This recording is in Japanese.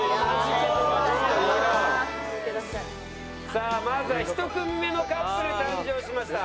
さあまずは１組目のカップル誕生しました。